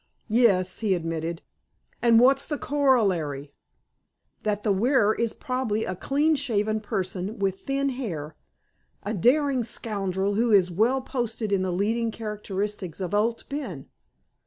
"Yes," he admitted, "and what's the corollary?" "That the wearer is probably a clean shaven person with thin hair, a daring scoundrel who is well posted in the leading characteristics of Owd Ben.